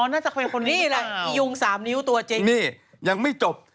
หนูแค่ว่าอ๋อน่าจะเป็นคนนี้หรือเปล่านี่แหละอียุงสามนิ้วตัวจริงนี่ยังไม่จบ